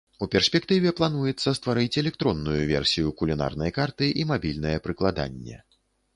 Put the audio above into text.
У перспектыве плануецца стварыць электронную версію кулінарнай карты і мабільнае прыкладанне.